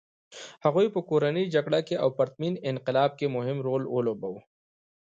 هغوی په کورنۍ جګړه او پرتمین انقلاب کې مهم رول ولوباوه.